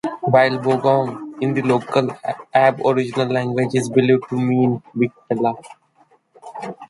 While "Bogong" in the local Aboriginal language is believed to mean "bigfella".